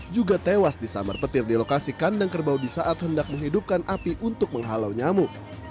juga tewas disamar petir di lokasi kandang kerbau di saat hendak menghidupkan api untuk menghalau nyamuk